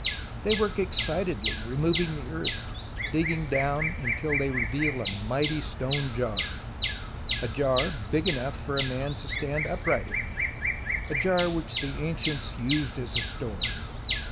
They work excitedly, removing the earth, digging down until they reveal a mighty stone jar, a jar big enough for a man to stand upright in, a jar which the ancients used as a store.